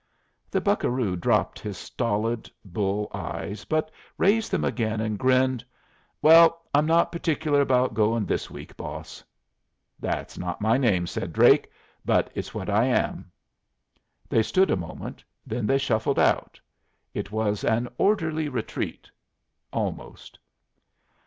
The buccaroo dropped his stolid bull eyes, but raised them again and grinned. "Well, I'm not particular about goin' this week, boss." "That's not my name," said Drake, "but it's what I am." They stood a moment. Then they shuffled out. It was an orderly retreat almost.